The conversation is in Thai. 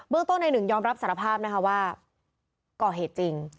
เรื่องต้นในหนึ่งยอมรับสารภาพนะคะว่าก่อเหตุจริง